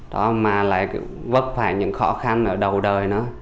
đó mà lại vấp phải những khó khăn ở đầu đời nó